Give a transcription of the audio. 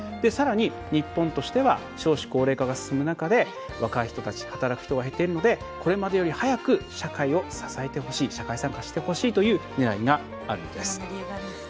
さらに日本としては少子高齢化が進む中で若い人たち働く人が減っているのでこれまでより早く社会を支えてほしい社会参加してほしいというねらいがあるんです。